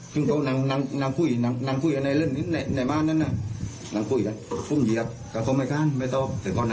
ซึ่งเขานั่งนั่งนั่งนั่งคุยนั่งนั่งคุยกันในในในบ้านนั้นน่ะ